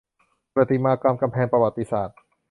ประติมากรรมกำแพงประวัติศาสตร์